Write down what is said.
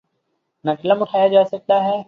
نہ قلم اٹھایا جا سکتا ہے۔